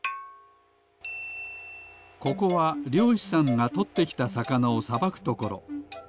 ここはりょうしさんがとってきたさかなをさばくところ。